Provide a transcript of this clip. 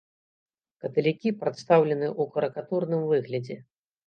Каталікі прадстаўлены ў карыкатурным выглядзе.